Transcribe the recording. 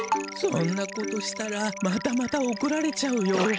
そんなことしたらまたまたおこられちゃうよ。